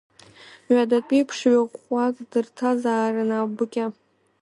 Ҩадатәи ԥшҩы ӷәӷәак дырҭазаарын аабыкьа.